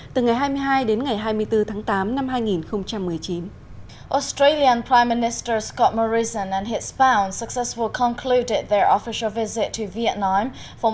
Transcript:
từ ngày hai mươi hai đến ngày hai mươi bốn tháng tám năm hai nghìn một mươi chín